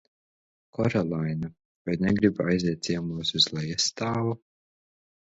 Koralaina, vai negribi aiziet ciemos uz lejasstāvu?